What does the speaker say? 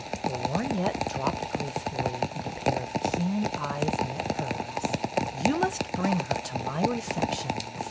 The lorgnette dropped gracefully, and a pair of keen eyes met hers. You must bring her to my receptions.